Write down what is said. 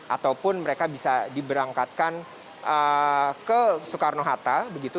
ataupun mereka bisa diberangkatkan ke soekarno hatta begitu